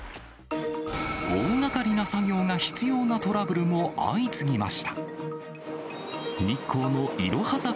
大がかりな作業が必要なトラブルも相次ぎました。